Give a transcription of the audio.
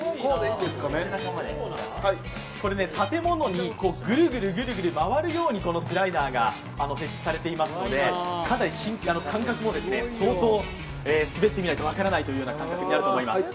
建物にぐるぐる回るようにこのスライダーが設置されていますのでかなり感覚も相当滑ってみないと分からない感覚だと思います。